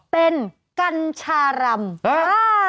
เป็นกัญชารำ